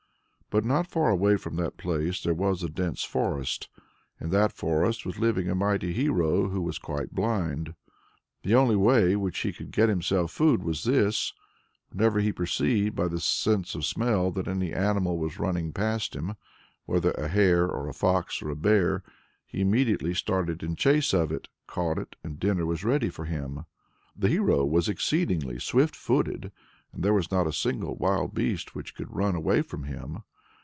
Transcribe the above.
But not far away from that place there was a dense forest. In that forest was living a mighty hero who was quite blind. The only way by which he could get himself food was this: whenever he perceived by the sense of smell that any animal was running past him, whether a hare, or a fox, or a bear, he immediately started in chase of it, caught it and dinner was ready for him. The hero was exceedingly swift footed, and there was not a single wild beast which could run away from him.